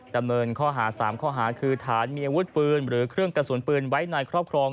ดำเนินข้อหา๓ข้อหาคือฐานมีอาวุธปืนหรือเครื่องกระสุนปืนไว้ในครอบครอง